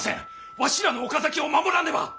わしらの岡崎を守らねば！